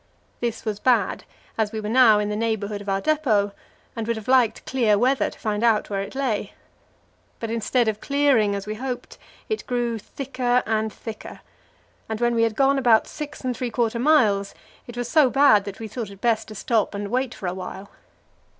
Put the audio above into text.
This was bad, as we were now in the neighbourhood of our depot, and would have liked clear weather to find out where it lay; but instead of clearing, as we hoped, it grew thicker and thicker, and when we had gone about six and three quarter miles, it was so bad that we thought it best to stop and wait for a while.